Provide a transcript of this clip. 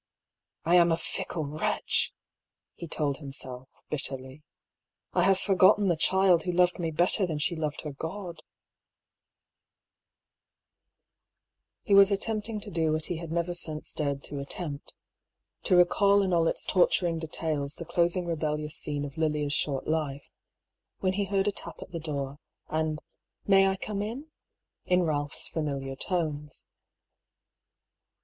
" I am a fickle wretch !" he told himself, bitterly. " I have forgotten the child who loved me better than she loved her God !" HER DREAM. 227 He was attempting to do what he had never since dared to attempt — to recall in all its torturing details the closing rebellious scene of Lilia's short life — when he heard a tap at the door, and " May I come in?" in Balph's familiar tones.